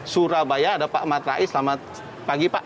surabaya ada pak matrai selamat pagi pak